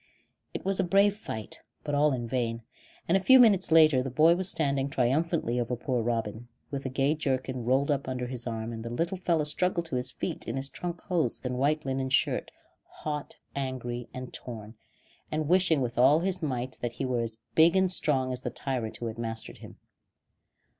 It was a brave fight, but all in vain, and a few minutes later the boy was standing triumphantly over poor Robin, with the gay jerkin rolled up under his arm; and the little fellow struggled to his feet in his trunk hose and white linen shirt, hot, angry, and torn, and wishing with all his might that he were as big and strong as the tyrant who had mastered him.